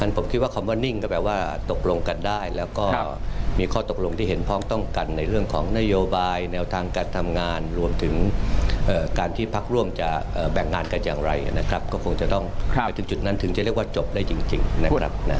ผมคิดว่าคำว่านิ่งก็แปลว่าตกลงกันได้แล้วก็มีข้อตกลงที่เห็นพร้อมต้องกันในเรื่องของนโยบายแนวทางการทำงานรวมถึงการที่พักร่วมจะแบ่งงานกันอย่างไรนะครับก็คงจะต้องไปถึงจุดนั้นถึงจะเรียกว่าจบได้จริงนะครับ